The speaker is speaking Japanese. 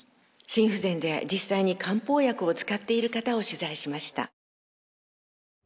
心不全で実際に漢方薬を使っている方を取材しました。